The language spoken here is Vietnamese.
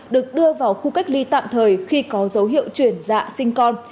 được đưa vào khu cách ly tạm thời khi có dấu hiệu chuyển dạ sinh con